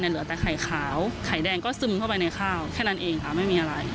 เหลือแต่ไข่ขาวไข่แดงก็ซึมเข้าไปในข้าวแค่นั้นเองค่ะไม่มีอะไร